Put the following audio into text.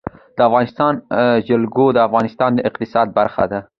د افغانستان جلکو د افغانستان د اقتصاد برخه ده.